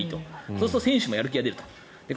そうすると選手もやる気が出る。